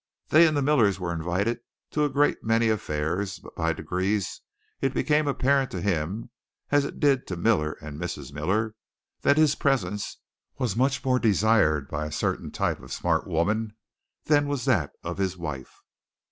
They and the Millers were invited to a great many affairs, but by degrees it became apparent to him, as it did to Miller and Mrs. Miller, that his presence was much more desired by a certain type of smart woman than was that of his wife.